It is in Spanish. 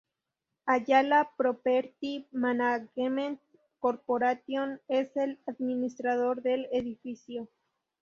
Ayala Property Management Corporation es el administrador del edificio.